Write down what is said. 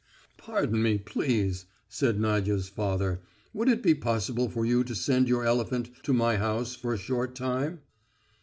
"Pardon me, please," said Nadya's father. "Would it be possible for you to send your elephant to my house for a short time?"